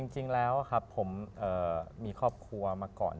จริงแล้วครับผมมีครอบครัวมาก่อน